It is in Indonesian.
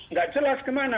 nggak jelas kemana